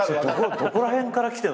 どこら辺からきてんの？